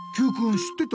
知ってた？